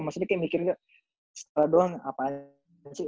maksudnya kayak mikir setara doang apaan sih